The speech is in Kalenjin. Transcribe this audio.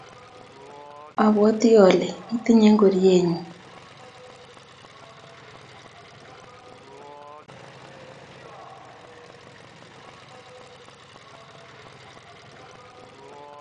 abwatii ale itinye ngorienyu,